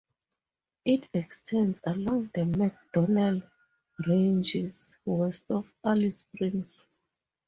It extends along the MacDonnell Ranges west of Alice Springs.